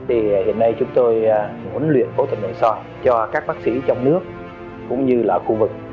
thì hiện nay chúng tôi huấn luyện phẫu thuật nội so cho các bác sĩ trong nước cũng như là khu vực